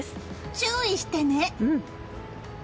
注意してね！